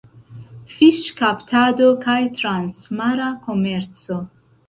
Fiŝkaptado kaj transmara komerco.